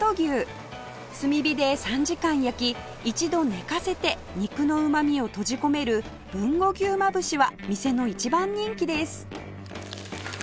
炭火で３時間焼き一度寝かせて肉のうまみを閉じ込める豊後牛まぶしは店の一番人気です